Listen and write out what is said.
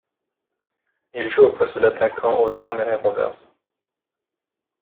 Il joue au poste d'attaquant aux Tranmere Rovers.